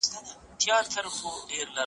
د وړۍ کارول په لاسي صنايعو کي څنګه وو؟